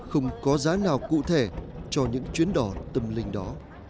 không có giá nào cụ thể cho những chuyến đò tâm linh đó